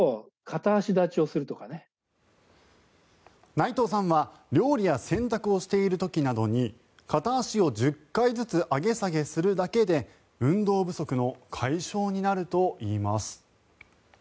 内藤さんは料理や洗濯をしている時などに片足を１０回ずつ上げ下げするだけで運動不足の解消になるといいます。